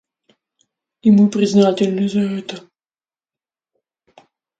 И мы признательны за это.